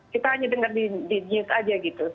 kita hanya dengar di news aja gitu